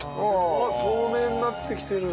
あっ透明になってきてる。